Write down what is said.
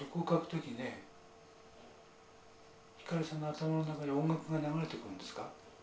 光さんの頭の中に音楽が流れてくるんですか？